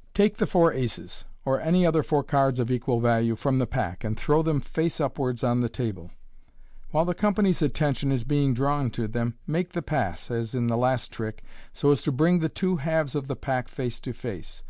— Take the four aces, or any MODERN MAGIC other four cards of equal value, from the pack, and throw them face up wards on the table. While the company's attention is being drawn to them, make the pass, as in the last trick, so as to bring the two halves of the pack face to face.